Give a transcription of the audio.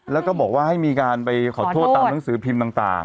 แล้วก็บอกว่าให้มีการไปขอโทษตามหนังสือพิมพ์ต่าง